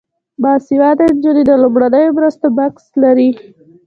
باسواده نجونې د لومړنیو مرستو بکس لري.